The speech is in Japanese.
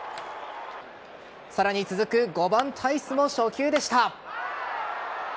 さらに続く５番・タイスの初球でした。